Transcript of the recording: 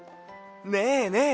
ねえねえ